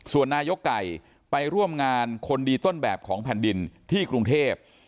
ส่วนนายกไก่ไปร่วมงานคนดีต้นแบบของแผ่นดินที่กรุงเทพ